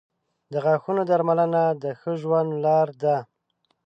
• د غاښونو درملنه د ښه ژوند لار ده.